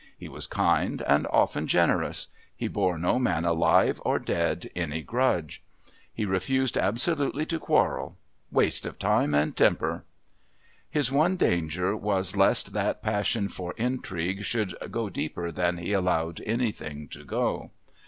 He was kind and often generous; he bore no man alive or dead any grudge. He refused absolutely to quarrel "waste of time and temper." His one danger was lest that passion for intrigue should go deeper than he allowed anything to go.